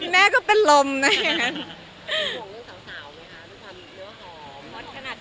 แม่ก็เป็นลมนะครับ